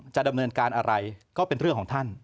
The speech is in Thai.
จะดำเนินการอะไรก็เป็นเรื่องของท่าน